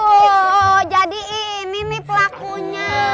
oh jadi ini nih pelakunya